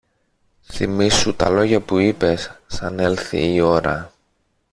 Θυμήσου τα λόγια που είπες, σαν έλθει η ώρα